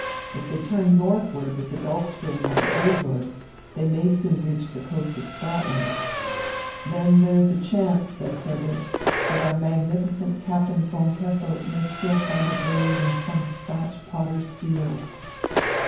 If they turn northward with the Gulf Stream at the Azores, they may soon reach the coast of Scotland." "Then there is a chance," said Frederick, "that our magnificent Captain von Kessel may still find a grave in some Scotch potter's field."